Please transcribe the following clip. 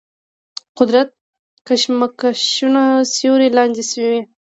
قدرت کشمکشونو سیوري لاندې شوي.